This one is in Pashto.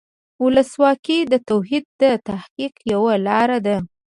ولسواکي د توحید د تحقق یوه لاره ده.